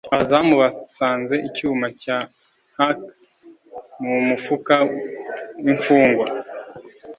abazamu basanze icyuma cya hackaw mu mufuka w'imfungwa